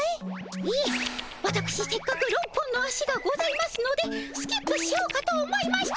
いえわたくしせっかく６本の足がございますのでスキップしようかと思いまして。